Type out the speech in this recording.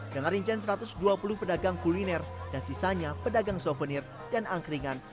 dengan rincian satu ratus dua puluh pedagang kuliner dan sisanya pedagang souvenir dan angkringan